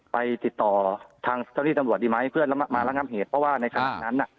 ไปติดต่อทางเจ้าหนี้ตำวาดดีไหมเพื่อนมามารังหังเหตุเพราะว่าในทางนั้นน่ะ